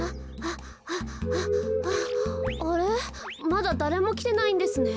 まだだれもきてないんですね。